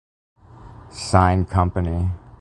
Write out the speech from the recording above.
Sign Company.